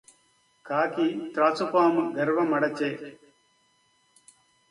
కాకి త్రాచుపాము గర్వ మడచె